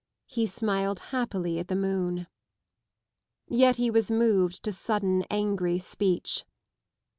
He smiled happily at the moon. Yet he was moved to sudden angry speech.